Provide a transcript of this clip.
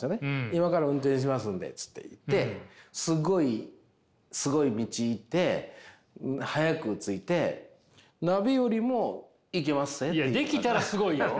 今から運転しますんでっつって行ってすっごいすごい道行って早く着いていやできたらすごいよ！